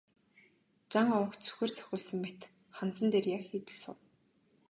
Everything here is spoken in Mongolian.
Жан овогт сүхээр цохиулсан мэт ханзан дээр яг хийтэл суув.